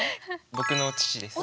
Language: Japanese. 僕の父です。